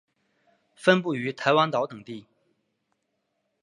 分布于台湾岛等地。